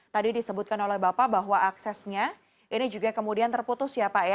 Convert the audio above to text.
tadi disebutkan oleh bapak bahwa aksesnya ini juga kemudian terputus ya pak ya